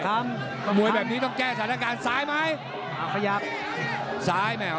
มวยแบบนี้ต้องแก้สถานการณ์ซ้ายไหมขยับซ้ายแม่